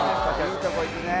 いいとこいくね